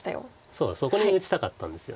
そうそこに打ちたかったんですよね。